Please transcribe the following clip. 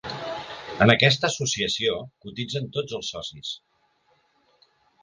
En aquesta associació cotitzen tots els socis.